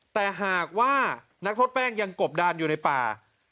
แต่หากว่านักโทษแป้งยังกบดานอยู่ในป่า